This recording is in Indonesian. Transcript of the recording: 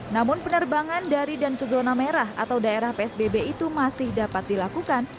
namun penerbangan dari dan ke zona merah atau daerah psbb itu masih dapat dilakukan